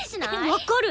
分かる！